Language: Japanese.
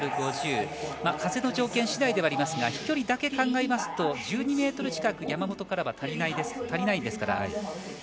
風の条件次第ではありますが飛距離だけ考えますと１２ｍ近く、山本からは足りないですから。